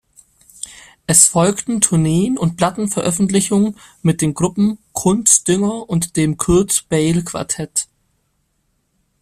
Es folgten Tourneen und Plattenveröffentlichungen mit den Gruppen "Kunst-Dünger" und dem "Curt-Beil Quartett".